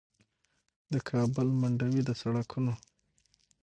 د کابل منډوي د سړکونو